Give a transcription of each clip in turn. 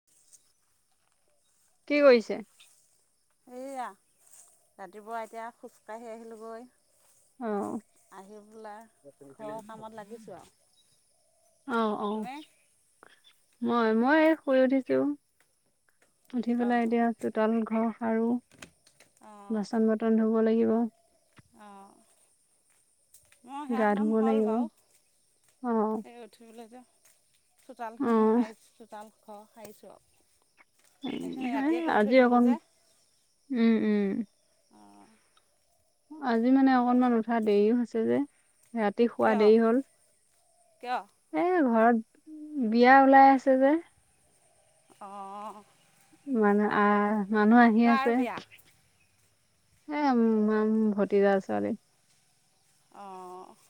[inaudible] কি কৰিছে? এইয়া, ৰাতিপুৱা এতিয়া খোজকাাঢ়ি আহিলোঁগৈ। অ আহি পেলা ঘৰৰ কামত লাগিছোঁ আৰু। অ', অ'। তুমি মই, মই শুই উঠিছোঁ। উঠি পেলাই অঁ এতিয়া চোতাল ঘৰ সাৰো, বাচন বৰ্তন ধুব লাগিব। অ'। মই হেয়া গা কাম ধুব হ'ল লাগিব বাৰু। অ এই উঠবলৈ যে অ চোতালখিনি সাৰি, চোতাল ঘৰ সাৰিছোঁ আৰু। সেইখিনি ৰাতিয়ে এই কৰি আজি থৈ দিলোঁ অকণ যে। উম, উম। আজি মানে অকনমান উঠা দেৰিও হৈছে যে, ৰাতি শুৱা কিয় দেৰি হ'ল। কিয়? এ, ঘৰত বিয়া ওলাই আছে যে। অ'। মানে আ, মানুহ আহি কাৰ আছে। বিয়া হে, মাম ভতিজাৰ ছোৱালী। অ'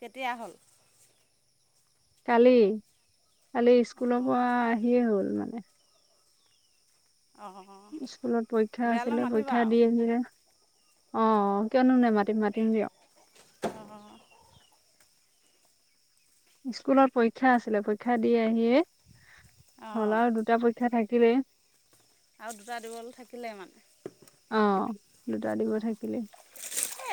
কেতিয়া হ'ল? কালি, কালি অঁ স্কুলৰপৰা আহিয়ে হ'ল মানে। অ'। স্কুলত পৰীক্ষা আছিলে, পৰীক্ষা আৰু দি আহিলে। অ' কিয়নো নে, মাতিম দিয়ক। অ'। স্কুলত পৰীক্ষা আছিলে, পৰীক্ষা দি আহিয়ে অঁ হ'ল আৰু দুটা পৰী শা থাকিলে আৰু দুটা দিবলে থাকিলে মানে? অ', দুটা দিব অ'। এ, থাকিলেই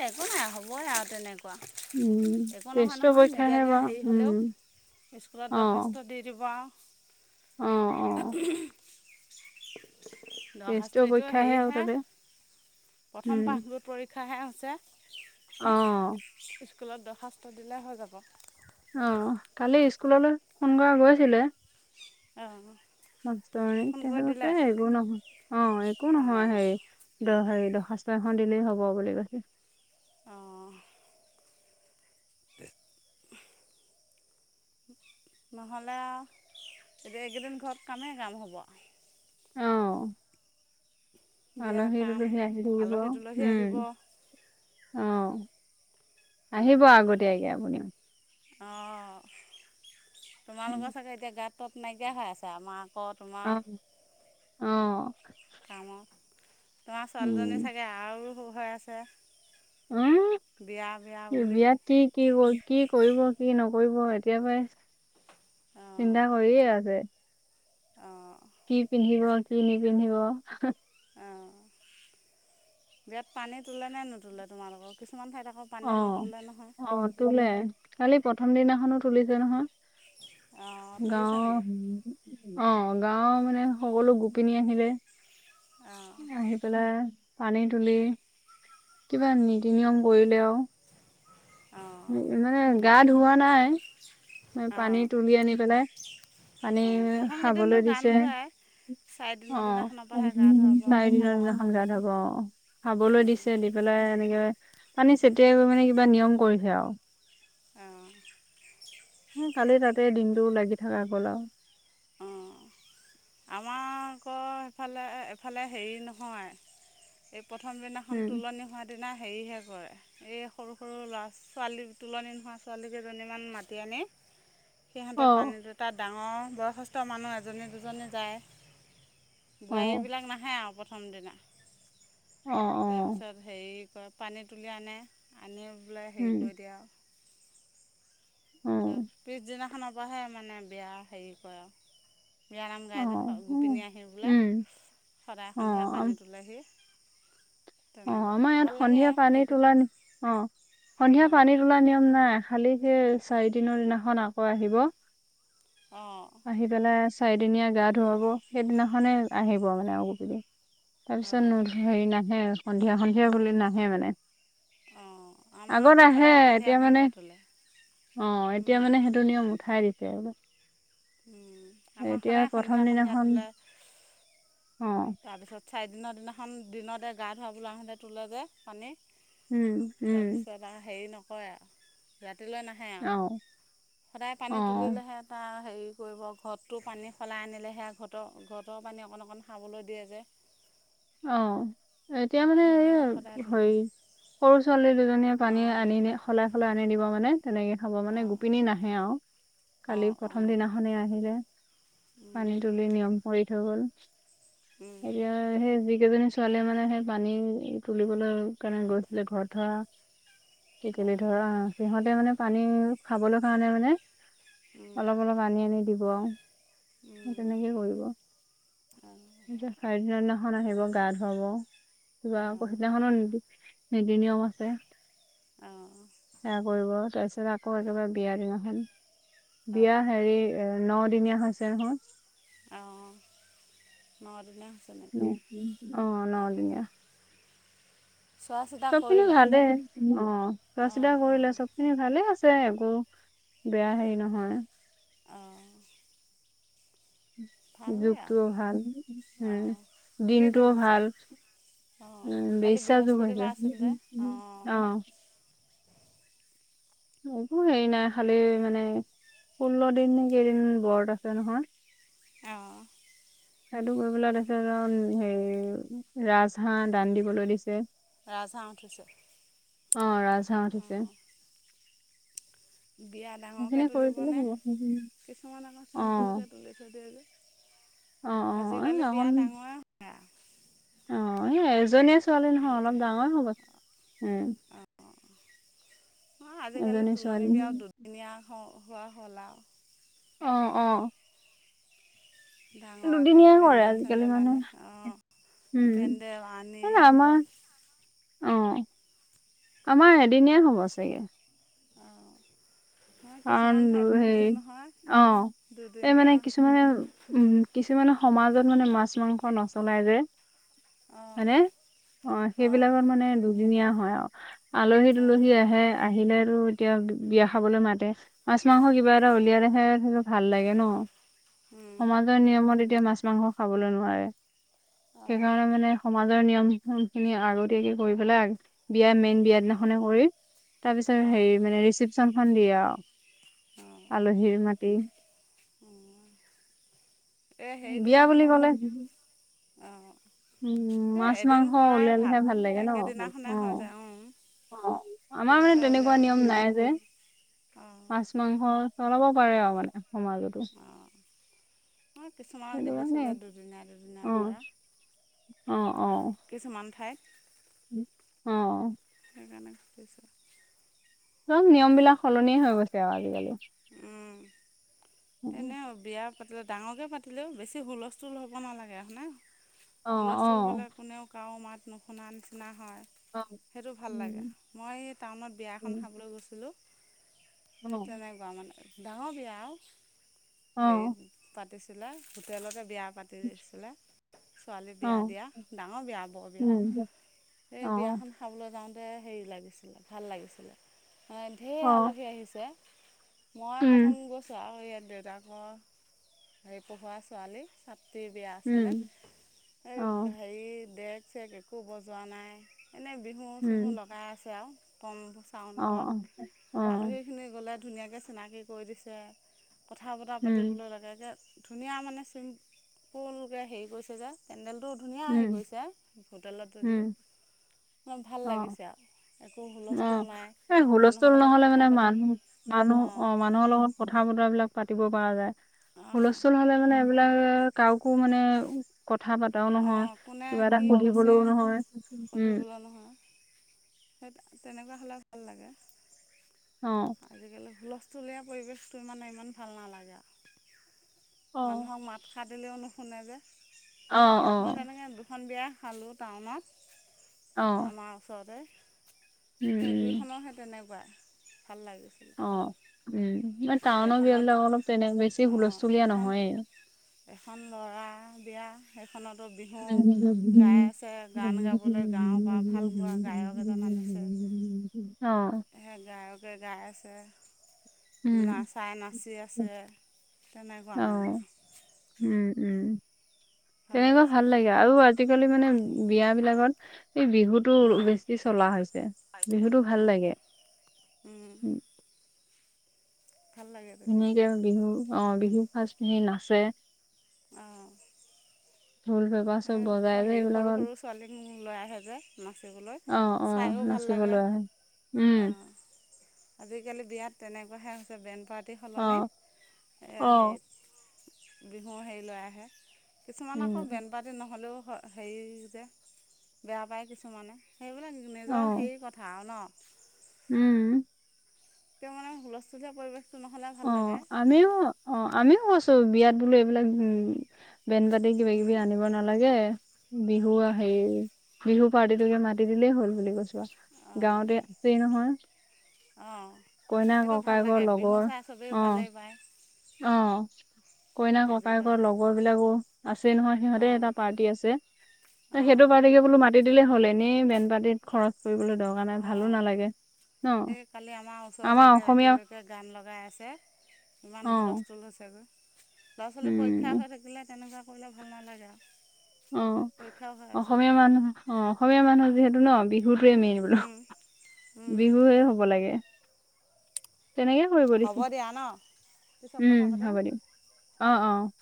একো নাই হ'বই আৰু তেনেক কোৱা, উম, একো নহয় টেষ্টৰ নহয় পৰীক্ষাহে নিদিয়াকৈ বাৰু হেৰি উম, হ'লেও। স্কুলত দৰ্খাস্ত অ', দি দিব আৰু। অ', অ', দৰ্খাস্ত টেষ্টৰ এইটো পৰীক্ষাহে আৰু হেৰিহে তাতে প্ৰথম উম, পাঠবোৰৰ্ড পৰীক্ষাহে হৈছে। অ'। স্কুলত দৰ্খাস্ত দিলে হৈ যাব। অ' কালি স্কুললৈ ফোন কৰা গৈছিলে। অ'। মা তে তেহেলুকে একো নহয়, অ' একো নহয় অঁ হেই। দ হেৰি, দৰ্খাস্ত এখন দিলেই হ'ব বুলি কৈছে। অ'। নহ'লে আৰু এতিয়া এইকেইদিন ঘৰত কামেই কাম হ'ব। অ', বিয়া আলহী কাম দুলহী আহি থাকিব আলহী দুলহী উম। আহিব অঁ অ', আহিব আগতীয়াকে আপুনিও। অ', তোমালোকৰ চাগে এতিয়া গাত তত নাইকিয়া হৈ আছে আমাক অ', অ'। কামত তোমাৰ ছোৱালীজনী উম চাগে আৰু হৈ আছে। উম বিয়া বিয়া বুলি। বিয়াত কি কি ক কি কৰিব কি নকৰিব এতিয়া পাই চিন্তা কৰিয়ে আছে। অ'। কি পিন্ধিব কি নিপিন্ধিব। অ'। বিয়াত পানী তোলে নে নুতুলে তোমালোকৰ কিছুমান ঠাইত আকৌ পানী অ', নোতোলে নহয় অ', তোলে কালি প্ৰথম দিনাখনো তুলিছে নহয়। অঁ তুলিছে গাঁও নেকি [unintelligible] অ', গাঁৱৰ মানে সকলো গোপিনী আহিলে অঁ আহি পেলাই পানী তুলি কিবা নীতি নিয়ম কৰিলেও। অহ। মানে গা ধুওৱা নাই পানী অঁ তুলি আনি পেলাই পানি অঁ প্ৰথম কেইদিনটো খাবলৈ গা দিছে। নোধুৱাই অ', চাৰিদিনৰ দিনাখনৰ পৰাহে গা ধুৱাব [unintelligible] অঁ [unintelligible] অ', খাবলৈ দিছে দি পেলাই এনেকে পানী চতিয়াই কৰা মানে কিবা নিয়ম কৰিছে আৰু। অঁ'। সেই কালি তাতে দিনটো লাগি থকা গ'ল আৰু। অঁ আমাৰ আকৌ সফালে এফালে হেৰি নহয়। এই প্ৰথম দিনাখন উম তোলনি হোৱাৰ দিনা হেৰিহে কৰে। এই সৰু সৰু ল'ৰা ছোৱালী তুলনি নোহোৱা ছোৱালীকেইজনীমান মাতি আনি সিহঁতে অ পানীটো তাত ডাঙৰ বয়সস্থ মানুহ এজনী দুজনী যায়। অ বোৱাৰীবিলাক নাহে আৰু প্ৰথম দিনা। অ', অ'। তাৰপিছত হেৰি কৰে পানী তুলি আনে আনি বোলে হেৰি উম কৰি দিয়ে আৰু। অ ত পিছদিনাখনৰ পৰাহে মানে বিয়া হেৰি কৰে আৰু। বিয়ানাম অ গাইদ উম গোপিনী আহি বোলে উম সদায় অ সন্ধিয়া পানীত তুলেহি। অ', তেনেকুৱা আমাৰ ভাল ইয়াত লাগে সন্ধিয়া পানী তোলা সেইকেইদিন অ', সন্ধিয়া পানী অঁ তোলা নিয়ম নাই। খালি সেই চাৰি দিনৰ দিনাখন আকৌ আহিব। অঁ'। আহি পেলাই চাৰিদিনীয়া গা ধুৱাব সেইদিনাখনে আহিব মানে আৰু গোপিনি। অঁ তাৰপিছত হেৰি নাহে সন্ধিয়া সন্ধিয়া বুলি নাহে মানে। অঁ আমাৰ আকৌ আগত আহে সদায় সন্ধিয়া এতিয়া মানে সন্ধিয়া তোলে অ', এতিয়া মানে স এইটো নিয়ম উঠাই দিছে আৰু। উম, আমাৰ সদায় সন্ধিয়া প্ৰথম সন্ধিয়া দিনাখন তোলে। অ'। তাৰপিছত চাৰিদিনৰ দিনাখন দিনতে গা ধুৱাবলৈ আহোঁতে তোলে যে পানী। উম উম তাৰপিছত আৰু হেৰি নকৰে আৰু ৰাতিলৈ না হে অ আৰু সদায় অ পানী তুলিলেহে তাৰ হেৰি কৰিব ঘতটো পানী সলাই আনিলে সেয়া ঘৰৰ ঘতৰ পানী অকণ অকণ খাবলৈ দিয়ে যে। অ', এতিয়া মানে সেইকাৰণে সদায় এই তোলে হেৰি সৰু ছোৱালী দুজনীয়ে পানী অঁ আনি [unintelligible] সলাই-সলাই আনি দিব মানে তেনেকে খাব মানে অঁ গোপিনী নাহে আৰু। কালি অঁ প্ৰথম অঁ দিনাখনেই আহিলে। উম পানী তুলি নিয়ম কৰি থৈ গল উম এতিয়া সেই যিকেইজনী ছোৱালীয়ে মানে সেই পানী তুলিবলৈ কাৰণে গৈছিলে ঘৰত থোৱা ইপিনে ধৰা অঁ আহ সিহঁতে মানে পানী খাবলৈ কাৰণে মানে অলপ-অলপ পানী নি আনি দিব আৰু উম তেনেকেই কৰিব। এতিয়া চাৰিদিনা দিনাখন আহিব গা ধুৱাব কিবা আকৌ উম সিদিনাখনো নিদি নীতি-নিয়ম আছে। অঁ। সেয়া কৰিব তাৰপিছত আকৌ একেবাৰে বিয়া দিনাখন বিয়া হেৰি এ নদিনীয়া হৈছে নহয়। অঁ নদিনীয়া নেকি অ অঁ নদিনীয়া। চোৱা চিতা চবপিনে কৰিলে ভালে। অ, অঁ চোৱা-চিতা অঁ কৰিলে চবখিনি ভালে আছে একো বেয়া হেৰি নহয়। অঁ। ভালেই আৰু যুগটোও ভাল, উম অঁ কি যুগ দিনটোও হৈছে ভাল। অঁ উম, কালি ব্যাচ্যা যুগ হৈছে, বৃহস্পতিবাৰ আছিল যে অঁ অ। একো হেৰি নাই খালি মানে ষোল্ল দিন নে কেইদিন বৰত আছে নহয়। আহ। সেইটো কৰিবলে দিছে হেৰি ৰাজ হাঁহ দান দিবলৈ দিছে। ৰাজ হাঁহ উঠিছে? অ, ৰাজ হাঁহ উঠিছে। বিয়া ডাঙৰকে সেইখিনি কৰি দিলে তুলিবনে? হ'ব। কিছুমান আকৌ অ চিম্পুলকে তুলি থৈ দিয়ে যে। অ অ এই আজিকালি বিয়া অকন ডাঙৰে অ, এজনীয়ে ছোৱালী নহয় অলপ গোটেই ডাঙৰ হ'ব, উম। অ, আজিকালি এজনী তোলনি ছোৱালী। বিয়াও দুদিনীয়া হ হোৱা হ'ল আৰু। অ, অ। ডাঙৰকৈ দুদিনীয়া হয় পেণ্ডেল আজিকালি চেণ্ডেল মানে। আনি অঁ উম, পেণ্ডেল আনি আমাৰ অঁ, আমাৰ এদিনীয়া হ'ব চাগে। অঁ, মই কাৰণ কিছুমান ঠাইত হেৰি দেখিছোঁ নহয় অ এই দুদিনীয়া। মানে উম কিছুমান সমাজত মানে মাছ-মাংস নচলাই যে। অঁ হয়নে? অ, অঁ সেইবিলাকত মানে দুদিনীয়া হয় আৰু। অঁ আলহী-দোলহী আহে, আহিলেতো এতিয়া বি বিয়া খাবলৈ মাত মাছ-মাংস কিবা এটা উলিয়াই ৰাখে ভাল লাগে ন, সমা নিয়মত এতিয়া মাছ-মাংস খাবলৈ নোৱাৰে, সেইকাৰণে মানে সমাজৰ নিয়ম খিনি আগতীয়াকে কৰি পেলাই, বিয়া মেইন বিয়া দিনাখনে কৰি তাৰ পিছত অঁ অঁ হেৰি মানে ৰিচিপচনখন দিয়ে আৰু। আলহীৰ মাটি এ বিয়া বুলি সেইদিনাখনো ক'লে অঁ। উম সেই মাছ এদিন মাংস কৰাই ওলালেহে ভাল, লাগে ন অ একেদিনাখনে হৈ যায় উ। আমাৰ কিবা মানে এটা তেনেকুৱা উলিয়ালে নিয়ম ভি নাই যে অ। মাছ মাংস চলাব পাৰে আৰু মানে সমাজত। অঁ, মই কিছুমানক সেইটো দেখিছোঁ কাৰণে যে দুদিনীয়া-দুদিনীয়া অ কৰা। অ, অ। কিছুমান ঠাইত অ। সেইকাৰণে খুজিছোঁ। চব নিয়ম বিলাক সলনিয়ে হৈ গৈছে আৰু আজিকালি। উম, এনেও বিয়া পাতিলে ডাঙৰকে পাতিলেও বেছি হুলস্থুল হ'ব নালাগে হয়নে? অ অ হুলস্থুল হ'লে কোনেও কাও মাত নুশুনা নিচিনা হয়। অ সেইটো ভাল লাগে, উম মই টাউনত বিয়া এখন উম খাবলৈ গৈছিলোঁ অ সেই তেনেকুৱা, মানে ডাঙৰ বিয়া আও অ হেৰি পাতিছিলে, হোটেলতে বিয়া পাতি ছিলে, ছোৱালী অ বিয়া দিয়া ডাঙৰ বিয়া বৰ বিয়া। উম সেই অ অ বিয়াখন খাবলৈ যাওঁতে হেৰি লাগিছিলে, ভাল লাগিছিলে ম ঢেৰ আলহী আহিছে। মই উম প্ৰথম গৈছোঁ আৰু ইয়াত দেউতাকৰ হেৰি পঢ়োৱা ছোৱালী, তাত বিয়া উম আছিলে, এই অ হেৰি ডেক চেক একো বজোৱা নাই এনেই উম বিহু-চিহু লগাই আছে আও কম অ অ চাউণ্ডত অ আলহী খিনি গ'লে ধুনীয়াকে চিনাকি কৰি দিছে, কথা বতৰা উম পাতিবলৈ লগৈ ধুনীয়া মানে চিম্পুলকে হেৰি কৰিছে যে, পেণ্ডেলটো ধুনীয়া আহি উম গৈছে, হোটেলত উম যদিও ম' ভাল অ লাগিছে আৰু। একো হুলস্থুল অ', নাই এই মানুহৰ হুলস্থুল লগত নহলে কথা মানে পাতি মানুহ মানুহ অঁ অ', মানুহৰ লগত কথা বতৰা বিলাক পাতিব পৰা যায়, অঁ হুলস্থুল হলে মানে কাকো মানে কথা প এটাও নহয়, অঁ কোনে কিবা এটা কি কৈছে শুধিবলেও নহয়, উম। [unintelligible] তেনেকুৱা হ'লে ভাল লাগে। অ'। আজিকালি হুলস্থূলীয়া পৰিৱেশটো মানে ইমান ভাল নালাগে আৰু। অ মানুহক মাত সাৰ দিলেও নুশুনে যে, অ মই তেনেকে দুখন বিয়া খালো টাউনত, অ আমাৰ ওচৰতে। উম সেই উম দুইখনো সেই তেনেকুৱাই ভাল লাগিছিল। অ', উম, ম টাউনৰ বিয়াবিলাক অলপ তেনেক বেছি হুলস্থুলীয়া এখন নহয়েই। এখন ল'ৰা বিয়া সেইখনতো বিহু গাই উম আছে, গান গাবলৈ গাঁৱ বা ভাল গোৱা গায়ক এজন আন অ'। এ গায়কে গাই আছে। উম নাচাই নাচি আছে, তেনেকুৱা অ মানে। উম, উম, তেনেকুৱা ভাল লাগ আৰু আজিকালি মানে বিয়াবিলাকত এই বিহুত তো বেছি চলা হৈছে, বিহুটো ভাল লাগে। উম। লাগে তেতিয়া ধুনীয়াকে বিহু আহ বিহু ফাৰচ সি নাচে। অ'। ঢোল, পেপ হেৰি সৰু-সৰু ছোৱালীক লৈ আহে যে, নাচিবলৈ অ অ চাইয়ো ভাল নাচিবলৈ লাগে। আহে উম অ'। আজিকালি বিয়াত তেনেকুৱাহে হৈছে, ব্ৰেণ্ড পাৰ্টি অ সলনি অ হেৰিত বিহু হেৰি লৈ আহে, কিছুমানক উম আকৌ পাতি নহ'লেও হেৰি যে, বেয়া পায় কিছুমানে। সেইবিলাক অ নিজৰ হেৰি কথা আৰু নহ? উম। [unintelligible] মানে হুলস্থুলীয়া পৰিৱেশ অ', আমিও অ', আমিও হষ্ট বিয়াত বোলো এইবিলাক উম, বেন-পাতি কিবা কিবি আনিব নালাগে বিহু অঁ আহ হেৰি বিহু পাৰ্টিতোকে মাতি দিলেই হল বুলি কৈছো, গাঁৱতে আছেই নহয়? অ, কইনা সেইটো ভাল ককায়েকৰ লাগে বিহু লগৰ চাই চবেই অ ভালেই পায়। অ, কইনাাক আজিকালি ককায়েকৰ লগৰ বিলাকো আছে নহয় সিহঁতে এটা অঁ পাৰ্টি আছে। সেইটো অঁ পাৰটিকে বুলো‌ ম পাতি দিলে হ'ল এনেই বেন পাতিত খৰচ কৰিবলৈ দৰকাৰ নাই ভালো অঁ নালাগে ন সেই কালি আমাৰ ওচৰতে আমাৰ একে অসমীয়া ৰাতিলৈকে গান লগাই আছে অ ইমান হুলস্থূুল হৈছেগৈ। ল'ৰা ছোৱালী পৰীক্ষা উম হৈ থাকিলে তেনেকুৱা কৰিলে ভাল নালাগে আৰু। অ, পৰীক্ষাও হৈ আছে অসমীয়া মানুহ অ অসমীয়া মানুহ যিহেতু ন বিহুটোৱে মেইন বোলো, বিহুে হ'ব লাগে। তেনেকয় কৰিব হ'ব দিছে দিয়া ন পিছত কথা উম, পাতিম হ'ব দিয়ক অ, অ,